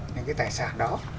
những cái tài sản đó